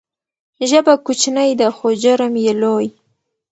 ژبه کوچنۍ ده خو جرم یې لوی.